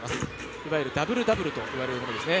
いわゆるダブルダブルと言われるものですね。